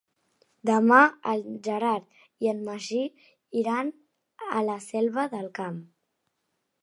Demà en Gerard i en Magí iran a la Selva del Camp.